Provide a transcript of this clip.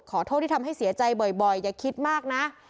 ขอโทษที่ทำให้เสียใจบ่อยอย่าคิดมากนะ